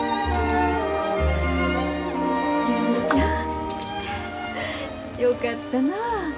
純ちゃんよかったな。